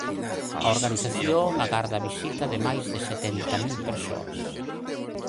A organización agarda a visita de máis de setenta mil persoas.